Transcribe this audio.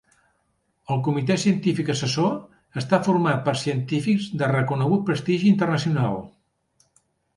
El Comitè Científic Assessor està format per científics de reconegut prestigi internacional.